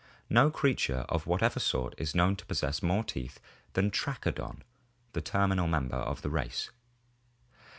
No creature of whatever sort is known to possess more teeth than Trachodon, the terminal member of the race.